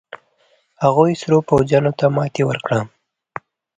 هغوې سرو پوځيانو ته ماتې ورکړه.